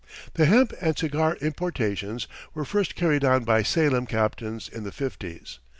The hemp and cigar importations were first carried on by Salem captains in the fifties.